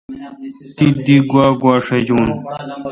تی دی گوا گوا شجون۔